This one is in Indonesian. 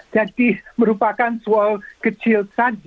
jadi merupakan sual kecil